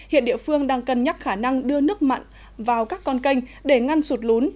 hiện địa phương đang cân nhắc khả năng đưa nước mặn vào các con canh để ngăn sụt lún